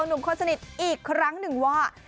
หนุ่มคนสนิทอีกครั้งหนึ่งว่า